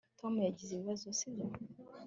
tom yagize ibibazo, sibyo